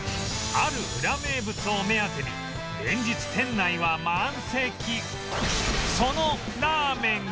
あるウラ名物を目当てに連日店内は満席